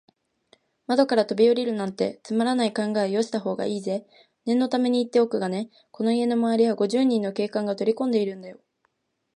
窓からとびおりるなんて、つまらない考えはよしたほうがいいぜ。念のためにいっておくがね、この家のまわりは、五十人の警官がとりかこんでいるんだよ。